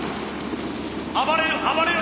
暴れる暴れる！